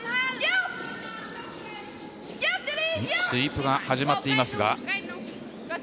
スイープが始まっていますが。